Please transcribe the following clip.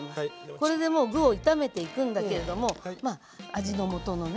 これでもう具を炒めていくんだけれどもまあ味のもとのね